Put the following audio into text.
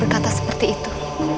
kata seperti itu